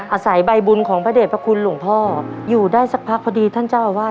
อาศัยใบบุญของพระเด็จพระคุณหลวงพ่ออยู่ได้สักพักพอดีท่านเจ้าอาวาส